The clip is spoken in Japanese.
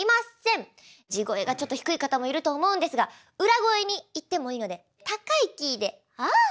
地声がちょっと低い方もいると思うんですが裏声にいってもいいので高いキーで「あ！あ！」